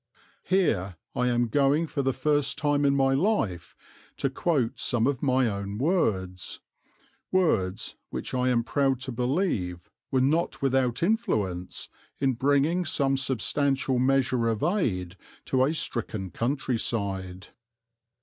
Here I am going for the first time in my life to quote some of my own words, words which I am proud to believe were not without influence in bringing some substantial measure of aid to a stricken country side.